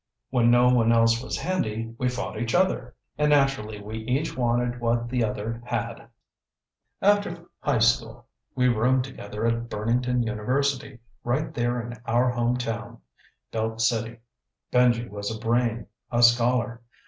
When no one else was handy, we fought each other. And naturally we each wanted what the other had. After high school, we roomed together at Burnington University right there in our home town, Belt City. Benji was a brain, a scholar.